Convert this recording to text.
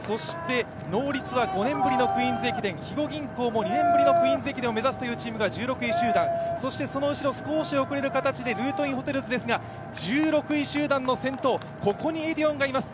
ノーリツは５年ぶりのクイーンズ駅伝、肥後銀行も２年ぶりのクイーンズ駅伝を目指すというのが１６位集団、そしてその後ろ少し遅れる形でルートインホテルズですが１６位集団の先頭、ここにエディオンがいます。